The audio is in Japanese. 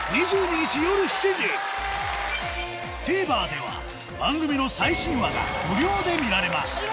ＴＶｅｒでは番組の最新話が無料で見られます